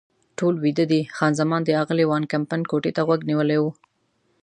ټول ویده دي، خان زمان د اغلې وان کمپن کوټې ته غوږ نیولی و.